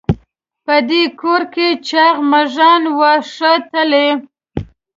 په دې کور کې چاغ مږان وو ښه تلي.